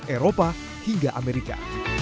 eropa hingga amerika